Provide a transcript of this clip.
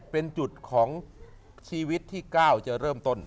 เป็นจุดของชีวิตที่๙จะเริ่มต้น